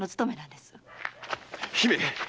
姫！